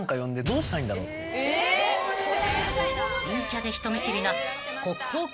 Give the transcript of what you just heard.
［陰キャで人見知りな］